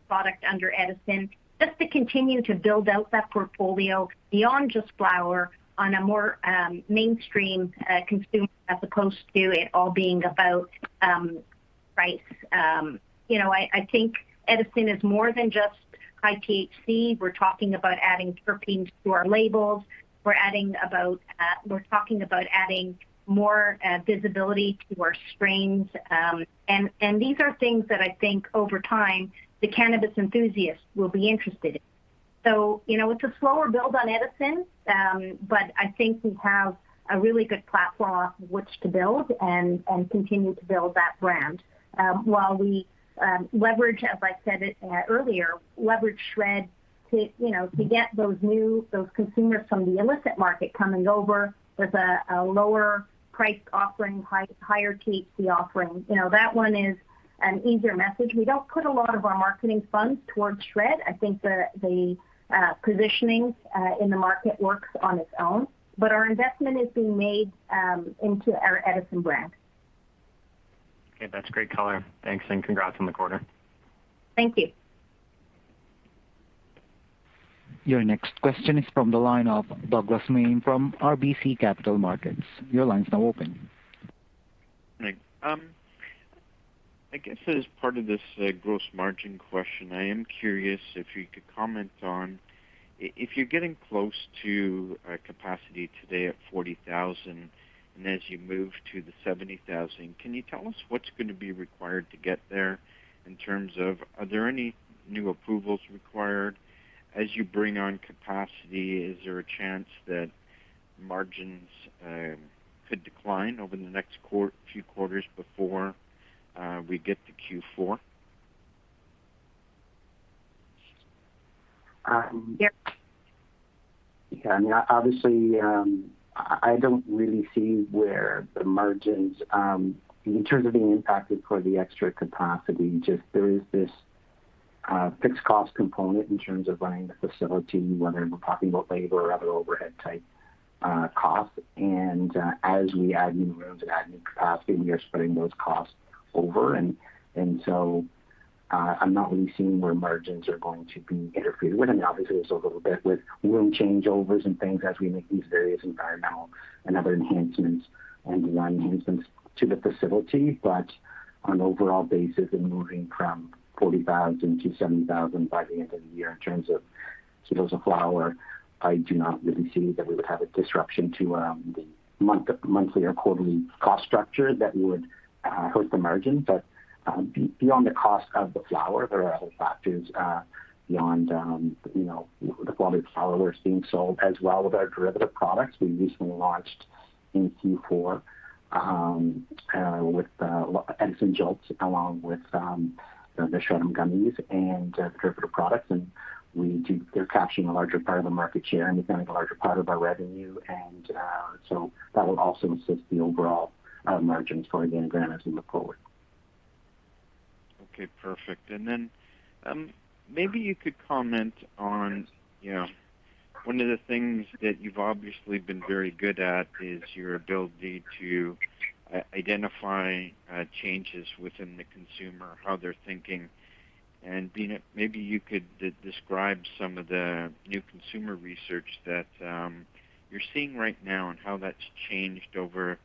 product under Edison, just to continue to build out that portfolio beyond just flower on a more mainstream consumer as opposed to it all being about price. You know, I think Edison is more than just high THC. We're talking about adding terpenes to our labels. We're talking about adding more visibility to our strains. These are things that I think over time the cannabis enthusiasts will be interested in. You know, it's a slower build on Edison, but I think we have a really good platform which to build and continue to build that brand. While we leverage, as I said earlier, SHRED to, you know, to get those new consumers from the illicit market coming over with a lower priced offering, higher THC offering. You know, that one is an easier message. We don't put a lot of our marketing funds towards SHRED. I think the positioning in the market works on its own, but our investment is being made into our Edison brand. Okay, that's great color. Thanks, and congrats on the quarter. Thank you. Your next question is from the line of Douglas Miehm from RBC Capital Markets. Your line's now open. Thanks. I guess as part of this, gross margin question, I am curious if you could comment on? If you're getting close to a capacity today at 40,000, and as you move to the 70,000, can you tell us what's going to be required to get there in terms of are there any new approvals required as you bring on capacity? Is there a chance that margins could decline over the next few quarters before we get to Q4? Um- Yep. Yeah, I mean, obviously, I don't really see where the margins in terms of being impacted for the extra capacity. Just, there is this fixed cost component in terms of running the facility, whether we're talking about labor or other overhead type costs. As we add new rooms and add new capacity, we are spreading those costs over, so I'm not really seeing where margins are going to be interfered with. I mean, obviously, there's a little bit with room changeovers and things as we make these various environmental and other enhancements and design enhancements to the facility. On an overall basis and moving from 40,000 to 70,000 by the end of the year in terms of kilos of flower, I do not really see that we would have a disruption to the monthly or quarterly cost structure that would hurt the margin. Beyond the cost of the flower, there are other factors beyond you know the quality of flower we're seeing. As well with our derivative products we recently launched in Q4 with Edison JOLTS along with the SHRED'ems gummies and derivative products. They're capturing a larger part of the market share and becoming a larger part of our revenue. That will also assist the overall margins for the Organigram as we look forward. Okay, perfect. Then, maybe you could comment on, you know, one of the things that you've obviously been very good at is your ability to identify changes within the consumer, how they're thinking. Beena, maybe you could describe some of the new consumer research that you're seeing right now and how that's changed over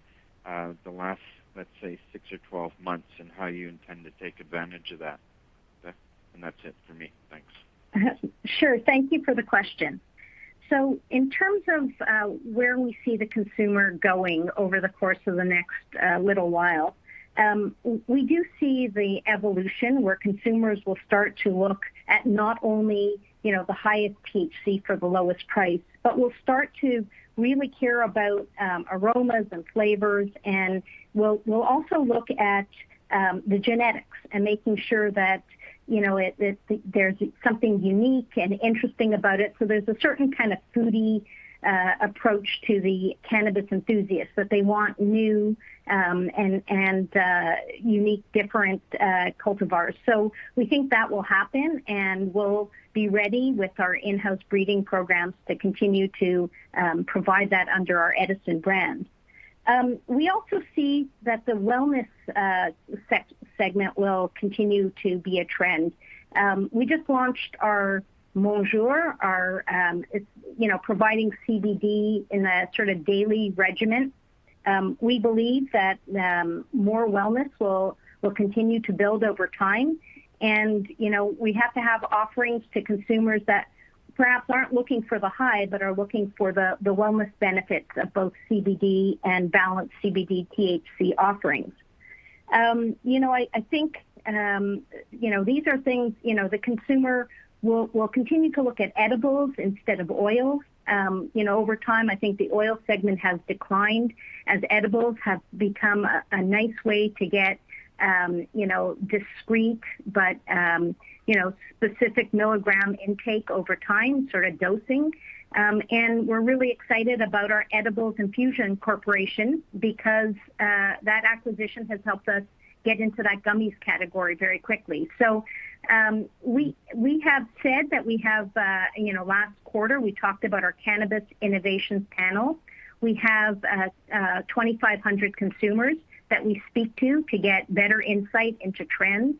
the last, let's say, six or 12 months, and how you intend to take advantage of that. That's it for me. Thanks. Sure. Thank you for the question. In terms of where we see the consumer going over the course of the next little while, we do see the evolution where consumers will start to look at not only you know the highest THC for the lowest price, but will start to really care about aromas and flavors. Will also look at the genetics and making sure that you know it there's something unique and interesting about it. There's a certain foodie approach to the cannabis enthusiasts that they want new and unique different cultivars. We think that will happen, and we'll be ready with our in-house breeding programs to continue to provide that under our Edison brand. We also see that the wellness segment will continue to be a trend. We just launched our Monjour. It's, you know, providing CBD in a daily regimen. We believe that more wellness will continue to build over time. You know, we have to have offerings to consumers that perhaps aren't looking for the high, but are looking for the wellness benefits of both CBD and balanced CBD THC offerings. You know, I think these are things the consumer will continue to look at edibles instead of oil. You know, over time, I think the oil segment has declined as edibles have become a nice way to get discreet, but specific milligram intake over time, dosing. We're really excited about our Edibles & Infusions Corporation because that acquisition has helped us get into that gummies category very quickly. We have said that we have you know last quarter we talked about our cannabis innovations panel. We have 2,500 consumers that we speak to to get better insight into trends.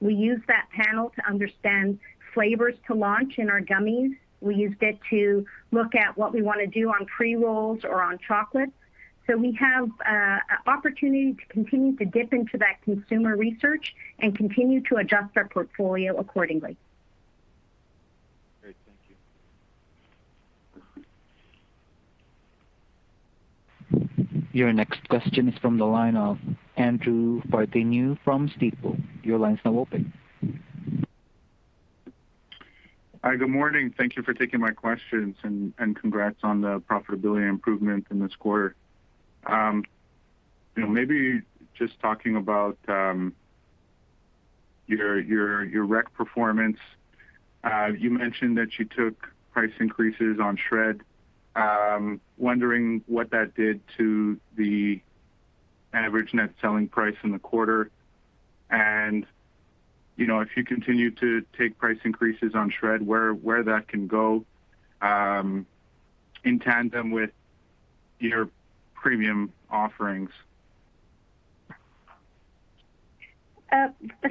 We use that panel to understand flavors to launch in our gummies. We use it to look at what we want to do on pre-rolls or on chocolates. We have opportunity to continue to dip into that consumer research and continue to adjust our portfolio accordingly. Great. Thank you. Your next question is from the line of Andrew Partheniou from Stifel. Your line's now open. Hi. Good morning. Thank you for taking my questions, and congrats on the profitability improvement in this quarter. You know, maybe just talking about your rec performance. You mentioned that you took price increases on SHRED. Wondering what that did to the average net selling price in the quarter. You know, if you continue to take price increases on SHRED, where that can go in tandem with your premium offerings.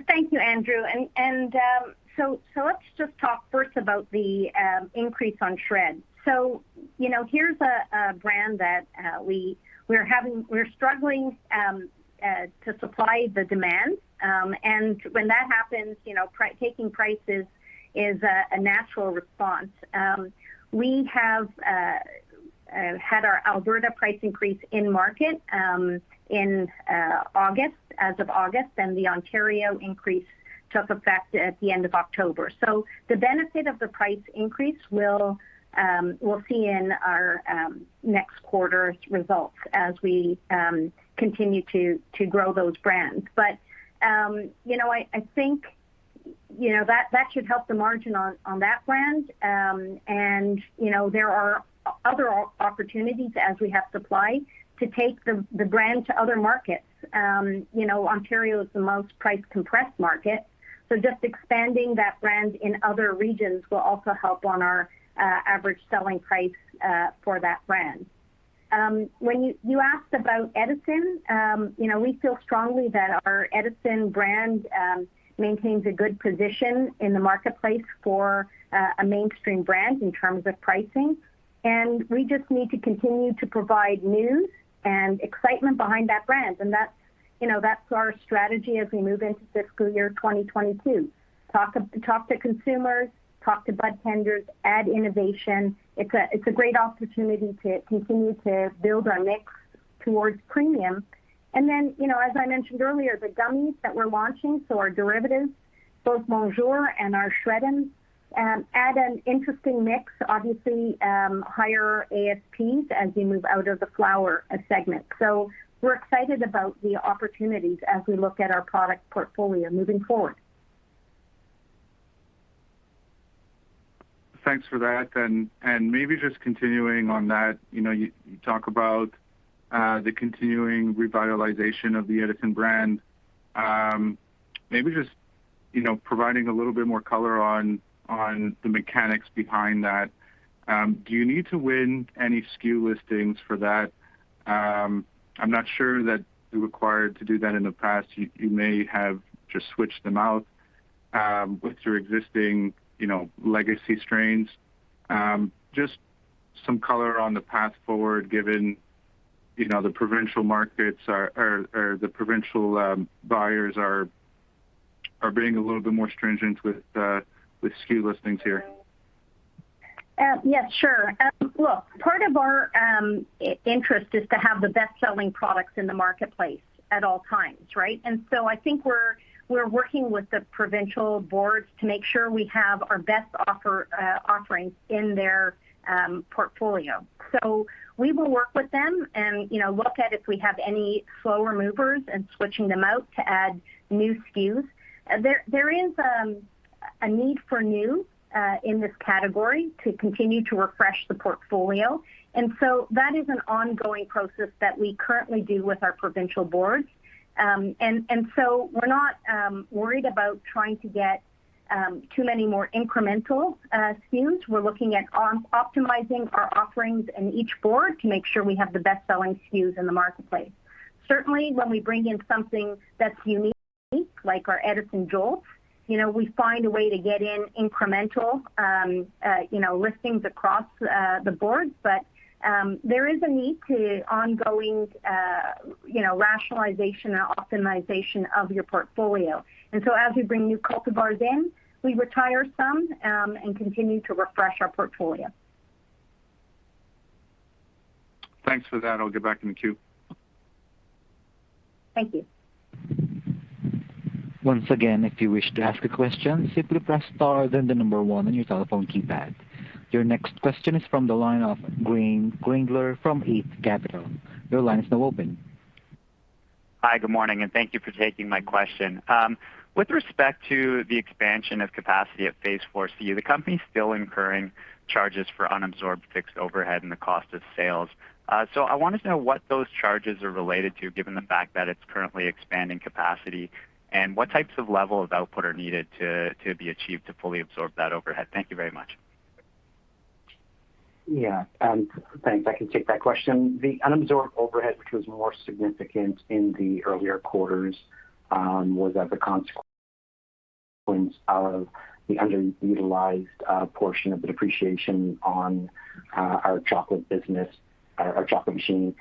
Thank you, Andrew. Let's just talk first about the increase on SHRED. You know, here's a brand that we're struggling to supply the demand. When that happens, you know, raising prices is a natural response. We have had our Alberta price increase in market in August, as of August, and the Ontario increase took effect at the end of October. The benefit of the price increase we'll see in our next quarter's results as we continue to grow those brands. You know, I think you know that should help the margin on that brand. You know, there are other opportunities as we have supply to take the brand to other markets. You know, Ontario is the most price-compressed market, so just expanding that brand in other regions will also help on our average selling price for that brand. When you asked about Edison, you know, we feel strongly that our Edison brand maintains a good position in the marketplace for a mainstream brand in terms of pricing. We just need to continue to provide news and excitement behind that brand. That's, you know, that's our strategy as we move into fiscal year 2022. Talk to consumers, talk to budtenders, add innovation. It's a great opportunity to continue to build our mix towards premium. you know, as I mentioned earlier, the gummies that we're launching, so our derivatives, both Monjour and our SHRED'ems, add an interesting mix, obviously, higher ASPs as we move out of the flower segment. We're excited about the opportunities as we look at our product portfolio moving forward. Thanks for that. Maybe just continuing on that, you know, you talk about the continuing revitalization of the Edison brand. Maybe just, you know, providing a little bit more color on the mechanics behind that. Do you need to win any SKU listings for that? I'm not sure that you're required to do that in the past. You may have just switched them out with your existing, you know, legacy strains. Just some color on the path forward given, you know, the provincial buyers are being a little bit more stringent with SKU listings here. Yes, sure. Look, part of our interest is to have the best-selling products in the marketplace at all times, right? I think we're working with the provincial boards to make sure we have our best offering in their portfolio. We will work with them and, you know, look at if we have any slower movers and switching them out to add new SKUs. There is a need for new in this category to continue to refresh the portfolio, and that is an ongoing process that we currently do with our provincial boards. We're not worried about trying to get too many more incremental SKUs. We're looking at optimizing our offerings in each board to make sure we have the best-selling SKUs in the marketplace. Certainly, when we bring in something that's unique like our Edison JOLTS, you know, we find a way to get incremental, you know, listings across the board. There is a need for ongoing, you know, rationalization and optimization of your portfolio. As we bring new cultivars in, we retire some and continue to refresh our portfolio. Thanks for that. I'll get back in the queue. Thank you. Once again, if you wish to ask a question, simply press star then the number one on your telephone keypad. Your next question is from the line of Greg Guyatt from Echelon Capital Markets. Your line is now open. Hi, good morning, and thank you for taking my question. With respect to the expansion of capacity at Phase 4c, the company is still incurring charges for unabsorbed fixed overhead and the cost of sales. I wanted to know what those charges are related to, given the fact that it's currently expanding capacity, and what types of level of output are needed to be achieved to fully absorb that overhead. Thank you very much. Yeah, thanks. I can take that question. The unabsorbed overhead, which was more significant in the earlier quarters, was as a consequence of the underutilized portion of the depreciation on our chocolate business, our chocolate machine.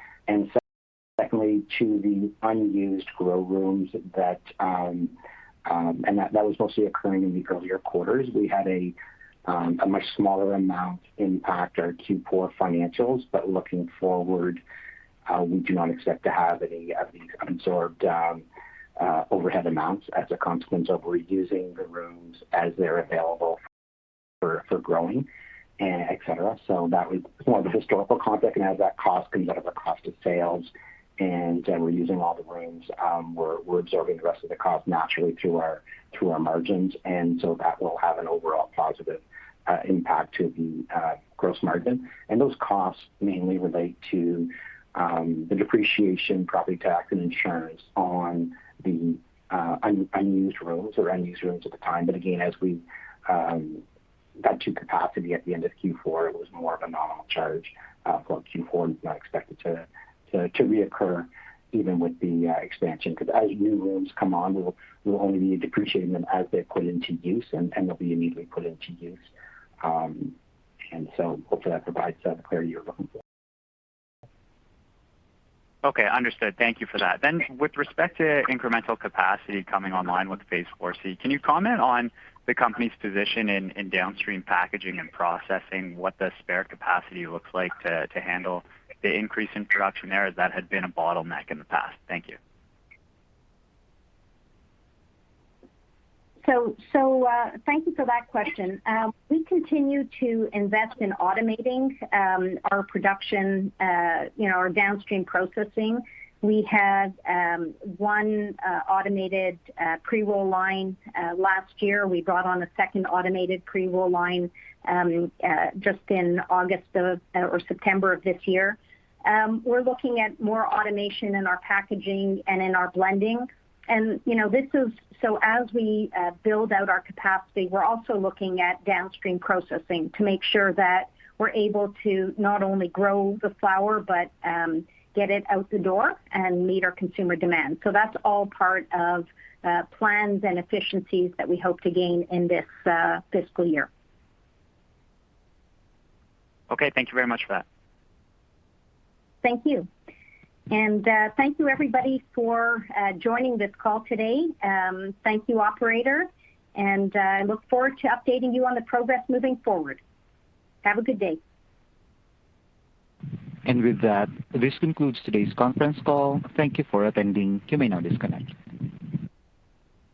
Secondly, to the unused grow rooms that was mostly occurring in the earlier quarters. We had a much smaller amount impacted our Q4 financials. Looking forward, we do not expect to have any of these unabsorbed overhead amounts as a consequence of reusing the rooms as they're available for growing, et cetera. That was more of a historical context, and as that cost comes out of our cost of sales, and we're using all the rooms, we're absorbing the rest of the cost naturally through our margins. That will have an overall positive impact to the gross margin. Those costs mainly relate to the depreciation, property tax, and insurance on the unused rooms or unused rooms at the time. Again, as we got to capacity at the end of Q4, it was more of a nominal charge for Q4. It's not expected to reoccur even with the expansion, because as new rooms come on, we'll only be depreciating them as they're put into use and they'll be immediately put into use. Hopefully that provides the clarity you're looking for. Okay. Understood. Thank you for that. With respect to incremental capacity coming online with Phase 4c, can you comment on the company's position in downstream packaging and processing, what the spare capacity looks like to handle the increase in production there, as that had been a bottleneck in the past? Thank you. Thank you for that question. We continue to invest in automating our production, you know, our downstream processing. We had one automated pre-roll line last year. We brought on a second automated pre-roll line just in August of, or September of this year. We're looking at more automation in our packaging and in our blending. You know, as we build out our capacity, we're also looking at downstream processing to make sure that we're able to not only grow the flower, but get it out the door and meet our consumer demand. That's all part of plans and efficiencies that we hope to gain in this fiscal year. Okay. Thank you very much for that. Thank you. Thank you everybody for joining this call today. Thank you, operator. I look forward to updating you on the progress moving forward. Have a good day. With that, this concludes today's conference call. Thank you for attending. You may now disconnect.